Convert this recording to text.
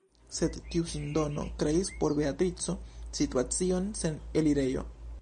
Sed tiu sindono kreis por Beatrico situacion sen elirejo.